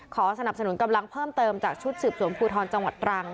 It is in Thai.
สนับสนุนกำลังเพิ่มเติมจากชุดสืบสวนภูทรจังหวัดตรัง